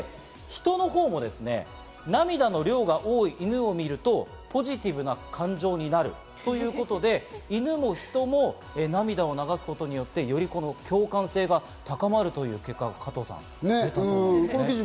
人のほうもですね、涙の量が多い犬を見ると、ポジティブな感情になるということで、犬も人も涙を流すことによってより共感性が高まるという結果が出たそうです。